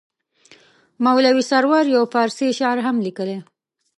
مولوي سرور یو فارسي شعر هم لیکلی.